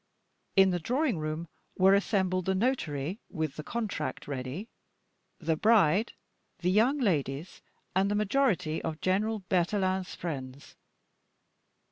In the drawing room were assembled the notary, with the contract ready, the bride, the young ladies, and the majority of General Berthelin's friends.